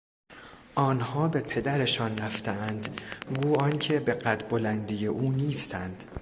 آنها به پدرشان رفتهاند گو آنکه به قد بلندی او نیستند.